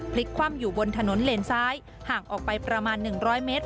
คว่ำอยู่บนถนนเลนซ้ายห่างออกไปประมาณ๑๐๐เมตร